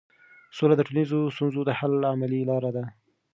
سوله د ټولنیزو ستونزو د حل عملي لار ده.